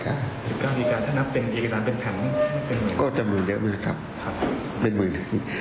ก็จะหมุนได้มากครับเป็นหมุน